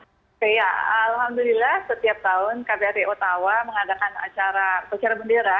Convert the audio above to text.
oke ya alhamdulillah setiap tahun kbri ottawa mengadakan acara ujaran bendera